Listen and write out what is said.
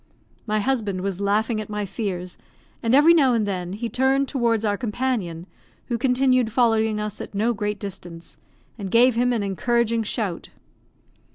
My husband was laughing at my fears, and every now and then he turned towards our companion, who continued following us at no great distance, and gave him an encouraging shout.